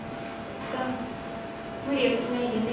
そう無理をしないでね。